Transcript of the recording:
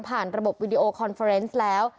ระบบวิดีโอคอนเฟอร์เนสแล้ว